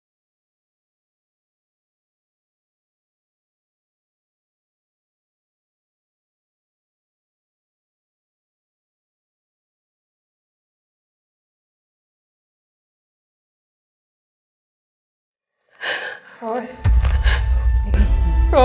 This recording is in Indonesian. gue nggak percaya